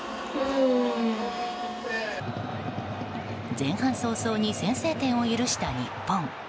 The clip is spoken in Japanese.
前半早々に先制点を許した日本。